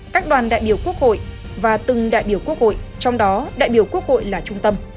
các đoàn đại biểu quốc hội và từng đại biểu quốc hội trong đó đại biểu quốc hội là trung tâm